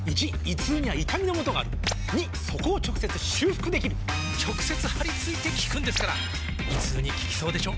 ①胃痛には痛みのもとがある②そこを直接修復できる直接貼り付いて効くんですから胃痛に効きそうでしょ？